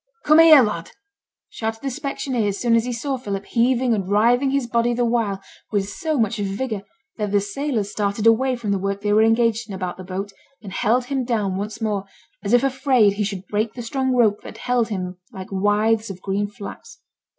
'Come here, lad!' shouted the specksioneer as soon as he saw Philip, heaving and writhing his body the while with so much vigour that the sailors started away from the work they were engaged in about the boat, and held him down once more, as if afraid he should break the strong rope that held him like withes of green flax.